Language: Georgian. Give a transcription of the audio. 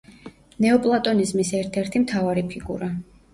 ნეოპლატონიზმის ერთ-ერთი მთავარი ფიგურა.